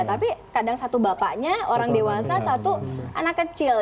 tapi kadang satu bapaknya orang dewasa satu anak kecil